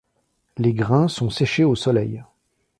Les grains sont séchés au soleil.